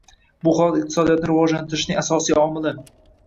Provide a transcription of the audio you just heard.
Bu holat iqtisodiyotni rivojlantirishning asosiy omili.